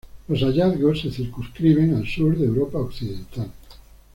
Los hallazgos se circunscriben al sur de Europa occidental.